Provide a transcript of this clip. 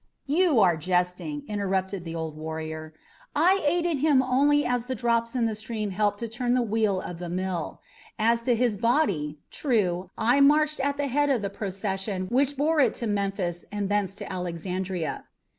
"You are jesting," interrupted the old warrior. "I aided him only as the drops in the stream help to turn the wheel of the mill. As to his body, true, I marched at the head of the procession which bore it to Memphis and thence to Alexandria.